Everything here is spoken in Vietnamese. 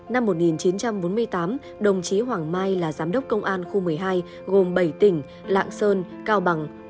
năm một nghìn chín trăm bốn mươi tám đồng chí hoàng mai là giám đốc công an khu một mươi hai gồm bảy tỉnh lạng sơn cao bằng